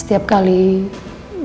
setiap kali menjelaskan